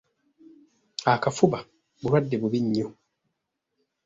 Akafuba bulwadde bubi nnyo.